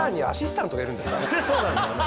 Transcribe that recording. そうなんだよね。